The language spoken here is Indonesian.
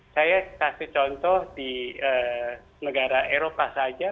saya kasih contoh di negara eropa saja